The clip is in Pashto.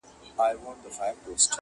• ته یې ونیسه مابین په خپلو داړو -